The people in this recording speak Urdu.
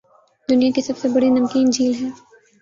دنیاکی سب سے بڑی نمکین جھیل ہے